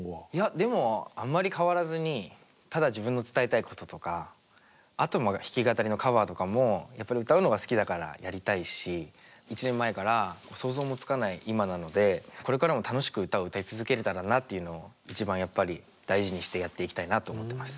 でもあんまり変わらずにただ自分の伝えたいこととかあと弾き語りのカバーとかもやっぱり歌うのが好きだからやりたいし１年前から想像もつかない今なのでこれからも楽しく歌を歌い続けれたらなというのを一番やっぱり大事にしてやっていきたいなと思ってます。